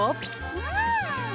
うん！